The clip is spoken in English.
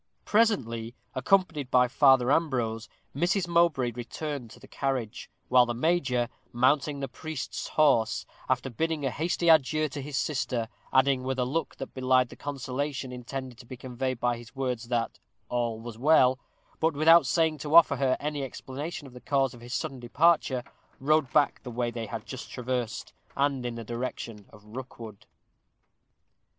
Presently, accompanied by Father Ambrose, Mrs. Mowbray returned to the carriage, while the major, mounting the priest's horse, after bidding a hasty adieu to his sister, adding, with a look that belied the consolation intended to be conveyed by his words, that "all was well," but without staying to offer her any explanation of the cause of his sudden departure, rode back the way they had just traversed, and in the direction of Rookwood.